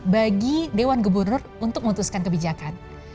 bagi dewan gubernur untuk memutuskan kebijakan